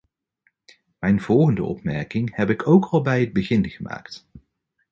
Mijn volgende opmerking heb ik ook al bij het begin gemaakt.